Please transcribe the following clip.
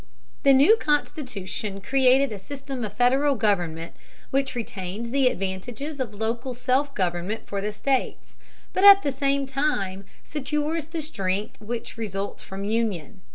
The new Constitution created a system of Federal government which retains the advantages of local self government for the states, but at the same time secures the strength which results from union.